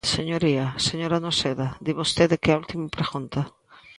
Señoría, señora Noceda, di vostede que é a última pregunta.